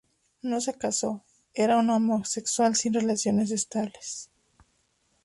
No se casó, era un homosexual sin relaciones estables.